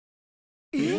えっ。